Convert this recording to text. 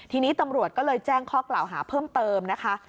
ทีนี้ตำรวจก็เลยแจ้งข้อกล่าวหาเพิ่มเติมนะคะ